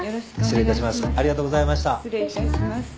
失礼いたします。